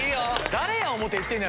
誰や思うていってんね